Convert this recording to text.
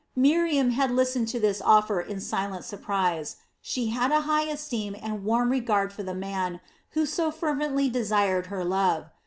Miriam had listened to this offer in silent surprise. She had a high esteem and warm regard for the man who so fervently desired her love.